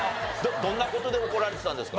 どんな事で怒られてたんですか？